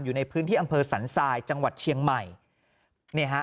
อยู่ในพื้นที่อำเภอสันทรายจังหวัดเชียงใหม่เนี่ยฮะ